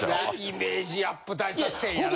イメージアップ大作戦やなぁ。